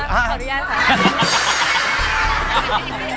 พี่ครับขออนุญาตค่ะ